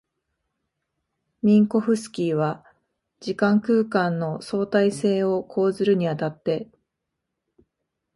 ミンコフスキーは時間空間の相対性を講ずるに当たって、